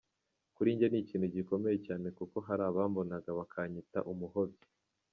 Kuri njye ni ikintu gikomeye cyane kuko hari abambonaga bakanyita umuhobyi.